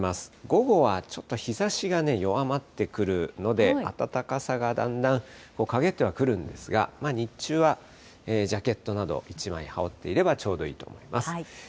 午後はちょっと日ざしが弱まってくるので、暖かさがだんだんかげってはくるんですが、日中はジャケットなど、１枚羽織っていればちょうどいいと思います。